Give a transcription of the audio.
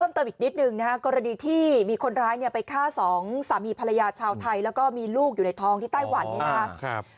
เติมอีกนิดนึงนะฮะกรณีที่มีคนร้ายเนี่ยไปฆ่าสองสามีภรรยาชาวไทยแล้วก็มีลูกอยู่ในท้องที่ไต้หวันเนี่ยนะครับ